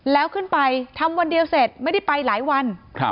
แล้วขึ้นไปทำวันเดียวเสร็จไม่ได้ไปหลายวัน